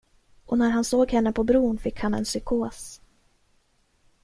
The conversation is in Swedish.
Och när han såg henne på bron fick han en psykos.